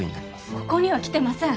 ここには来てません